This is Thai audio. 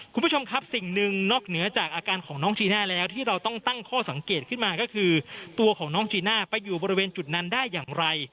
คุณผู้ชมครับสิ่งหนึ่งนอกเหนือจากอาการของน้องจีน่าแล้วที่เราต้องตั้งข้อสังเกตขึ้นมาก็คือตัวของน้องจีน่าไปอยู่บริเวณจุดนั้นได้อย่างไร